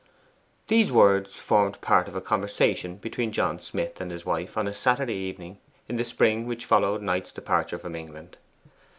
These words formed part of a conversation between John Smith and his wife on a Saturday evening in the spring which followed Knight's departure from England.